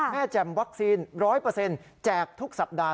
แจ่มวัคซีน๑๐๐แจกทุกสัปดาห